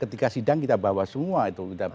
ketika sidang kita bawa semua itu